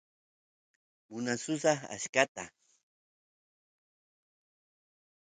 munasusaq achkata